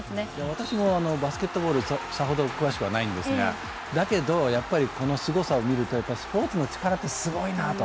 私もバスケットボール、さほど詳しくはないんですが、だけどやっぱりこのすごさを見るとスポーツの力ってすごいなと。